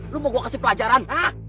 lu mau gue kasih pelajaran